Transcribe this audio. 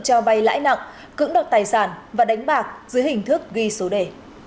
cho vay lãi nặng cứng đọc tài sản và đánh bạc dưới hình thức ghi số đề